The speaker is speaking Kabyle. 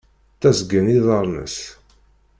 Ttazgen yiḍarren-is.